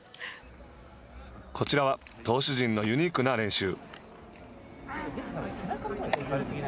こちらは投手陣のユニークな練習。